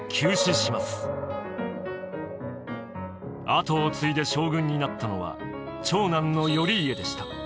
跡を継いで将軍になったのは長男の頼家でした。